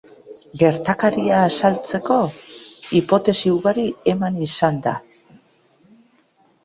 Gertakaria azaltzeko hipotesi ugari eman izan da.